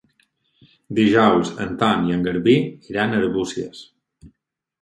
Dijous en Ton i en Garbí iran a Arbúcies.